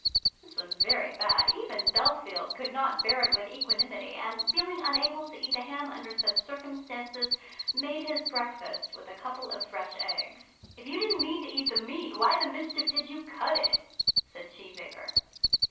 This was very bad. Even Bellfield could not bear it with equanimity, and feeling unable to eat the ham under such circumstances, made his breakfast with a couple of fresh eggs. "If you didn't mean to eat the meat, why the mischief did you cut it?" said Cheesacre.